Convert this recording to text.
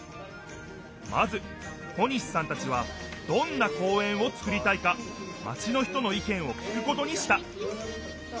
まず小西さんたちはどんな公園をつくりたいかまちの人の意見を聞くことにした。